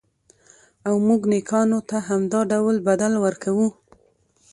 او موږ نېکانو ته همدا ډول بدل ورکوو.